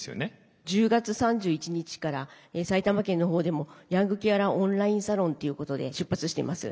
１０月３１日から埼玉県の方でもヤングケアラーオンラインサロンっていうことで出発しています。